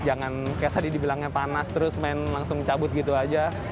jangan kayak tadi dibilangnya panas terus main langsung cabut gitu aja